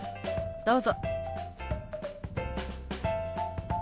どうぞ。